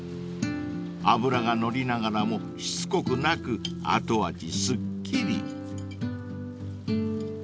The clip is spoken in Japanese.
［脂が乗りながらもしつこくなく後味すっきり］